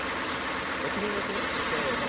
じゃきみもいっしょにせの。